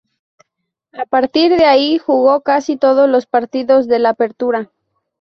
A partir de ahí, jugó casi todos los partidos del Apertura.